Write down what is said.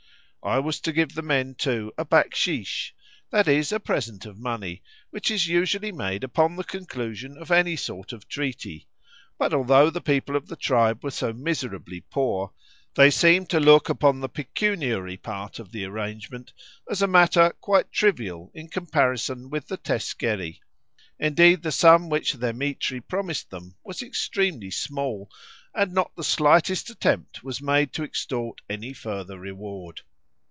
I was to give the men, too, a baksheish, that is, a present of money, which is usually made upon the conclusion of any sort of treaty; but although the people of the tribe were so miserably poor, they seemed to look upon the pecuniary part of the arrangement as a matter quite trivial in comparison with the teskeri. Indeed the sum which Dthemetri promised them was extremely small, and not the slightest attempt was made to extort any further reward.